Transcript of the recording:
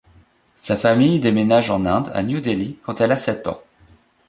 Sa famille déménage en Inde, à New Delhi quand elle a sept ans.